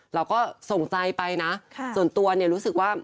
เราก็ส่งใจไปนะส่วนตัวเนี่ยรู้สึกว่า